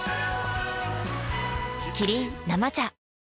キリン「生茶」